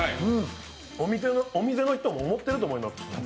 お店の人も思ってると思います。